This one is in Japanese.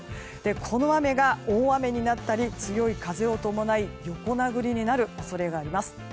この雨が大雨になったり強い風を伴い横殴りになる恐れがあります。